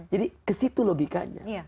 jadi kesitu logikanya